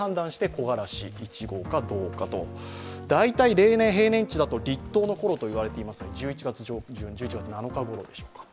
例年平年値だと立冬のころだと言われているので１１月７日ごろでしょうか。